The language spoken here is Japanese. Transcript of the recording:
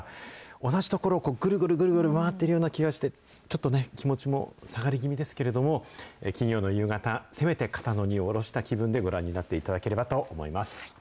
同じところをぐるぐるぐるぐる回っているような気がして、ちょっとね、気持ちも下がり気味ですけれども、金曜の夕方、せめて肩の荷を下ろした気分でご覧になっていただければと思います。